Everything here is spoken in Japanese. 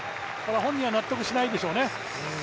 本人は納得しないでしょうね。